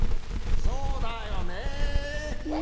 ・そうだよねえ！